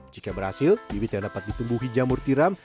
jika berhasil bibit yang dapat ditumbuhi jamur tiram